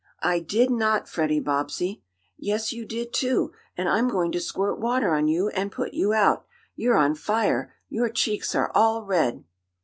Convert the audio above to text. "I did not Freddie Bobbsey!" "Yes, you did, too, and I'm going to squirt water on you, and put you out. You're on fire! Your cheeks are all red!"